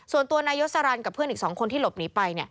ส่วนตัวนายศรันกับเพื่อนอีก๒คนที่หลบหนีไป